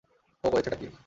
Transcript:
ও করেছেটা কী?